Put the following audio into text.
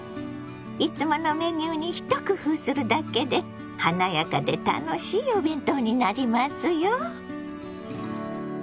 いつものメニューに一工夫するだけで華やかで楽しいお弁当になりますよ。